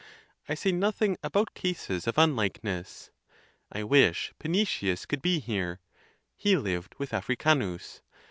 I say nothing about cases of unlikeness. I wish Panzetius could be here: he lived with Africanus.